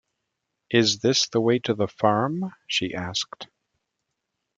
“Is this the way to the farm?” she asked.